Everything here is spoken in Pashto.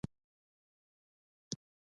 انا د سخاوت نمونه ده